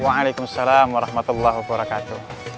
waalaikumsalam warahmatullahi wabarakatuh